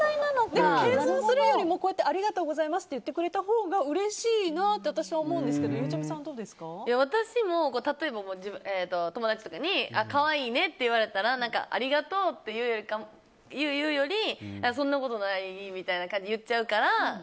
でも、謙遜するよりもありがとうございますって言ってくれたほうがうれしいなって私は思うんですが私も例えば、友達とかに可愛いねって言われたらありがとうって言うよりそんなことない、みたいな感じで言っちゃうから。